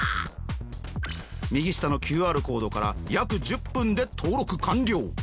右下のＱＲコードから約１０分で登録完了。